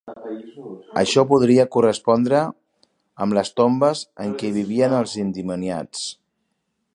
Això podria correspondre amb les tombes en què vivien els endimoniats.